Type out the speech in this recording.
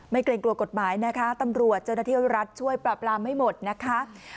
ไม่เกรงกลัวกฎหมายนะคะตำรวจจนที่รัฐช่วยปรับรามไม่หมดนะคะ